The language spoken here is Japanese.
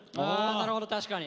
なるほど確かに！